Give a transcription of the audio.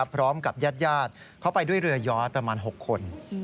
พร้อมกับญาติเขาไปด้วยเรือย้อยประมาณ๖คน